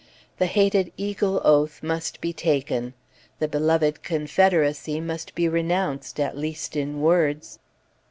The hated Eagle Oath must be taken, the beloved Confederacy must be renounced at least in words.